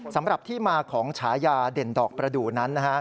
สำหรับที่มาของฉายาเด่นดอกประดูกนั้น